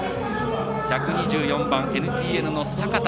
１２４番、ＮＴＮの坂田